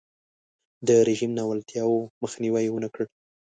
د رژیم ناولتیاوو مخنیوی یې ونکړ.